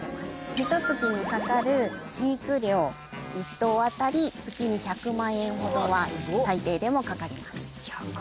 ひと月にかかる飼育料１頭当たり月に１００万円ほどは最低でもかかります